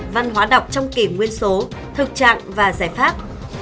văn hóa đọc trong kỷ nguyên số thực trạng và giải pháp